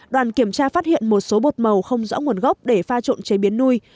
đoàn kiểm tra phát hiện một số bột màu không rõ nguồn gốc để pha trộn chế biến nuôi